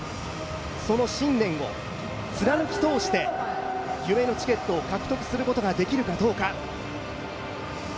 その信念を貫き通して夢のチケットを獲得することができるかどうか。